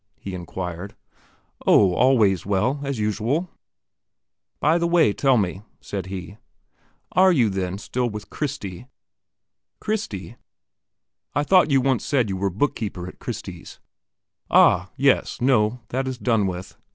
he inquired. "Oh, always well ... as usual." "By the way, tell me," said he, "are you, then, still with Christie?" "Christie?" "I thought you once said you were book keeper at Christie's?" "Ah, yes. No; that is done with.